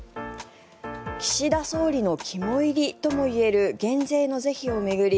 岸田総理の肝煎りともいえる減税の是非を巡り